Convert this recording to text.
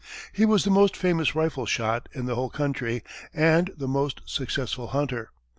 He was the most famous rifle shot in the whole country and the most successful hunter.